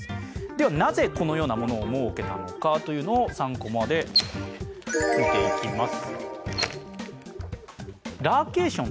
ではなぜ、このようなものを設けたのかというのを３コマで見ていきます。